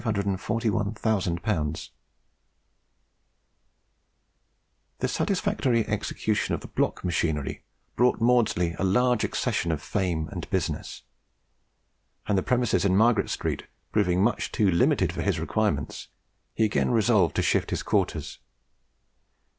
The satisfactory execution of the block machinery brought Maudslay a large accession of fame and business; and the premises in Margaret Street proving much too limited for his requirements, he again resolved to shift his quarters.